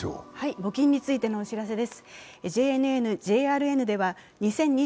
募金についてのお知らせです。